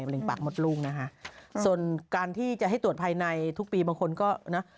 เร็งปากมดลูกนะคะส่วนการที่จะให้ตรวจภายในทุกปีบางคนก็นะ